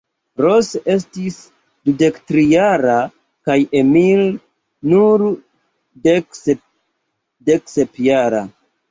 Ros estis dudektrijara kaj Emil nur deksepjara.